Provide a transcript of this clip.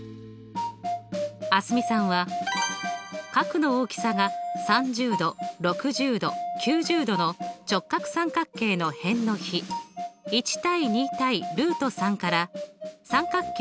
蒼澄さんは角の大きさが３０°６０°９０°の直角三角形の辺の比１：２：ルート３から三角形